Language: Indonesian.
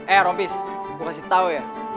eh robis gue kasih tau ya